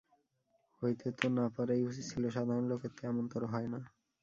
হইতে তো না পারাই উচিত ছিল–সাধারণ লোকের তো এমনতরো হয় না।